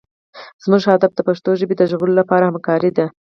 زموږ هدف د پښتو ژبې د ژغورلو لپاره همکارۍ دي.